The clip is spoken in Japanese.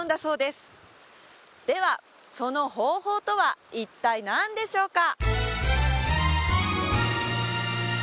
その方法とは一体何でしょうか？